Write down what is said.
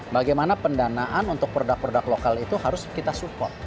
bagaimana pendanaan untuk produk produk lokal itu harus kita support